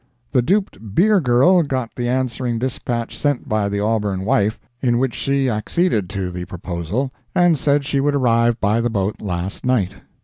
The duped beer girl got the answering dispatch sent by the Auburn wife, in which she acceded to the proposal, and said she would arrive by the boat last night.